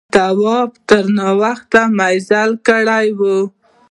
تواب تر ناوخته مزل کړی و.